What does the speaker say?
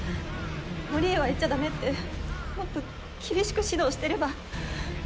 森へは行っちゃダメってもっと厳しく指導してれば。